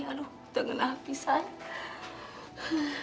aduh dengerin api saya